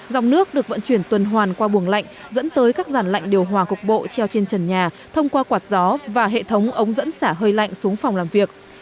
dòng nước được vận chuyển tuần hoàn qua buồng lạnh dẫn tới các dàn lạnh điều hòa cục bộ treo trên trần nhà thông qua quạt gió và hệ thống ống dẫn xả hơi lạnh xuống phòng làm việc